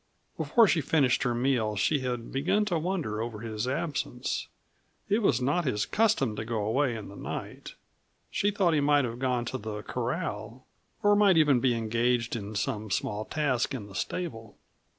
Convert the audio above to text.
Before she had finished her meal she had begun to wonder over his absence it was not his custom to go away in the night. She thought he might have gone to the corral, or might even be engaged in some small task in the stable.